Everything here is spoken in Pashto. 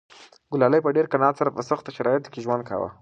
ګلالۍ په ډېر قناعت سره په سختو شرایطو کې ژوند کاوه.